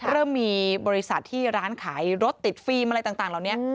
เริ่มมีบริษัทที่ร้านขายรถติดฟิล์มอะไรต่างเหล่านี้